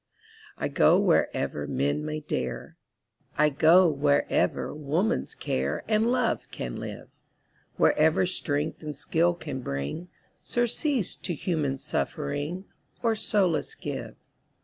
I go wherever men may dare, I go wherever woman's care And love can live, Wherever strength and skill can bring Surcease to human suffering, Or solace give.